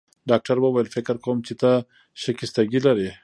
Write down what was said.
ډاکټر وویل: فکر کوم چي ته شکستګي لرې.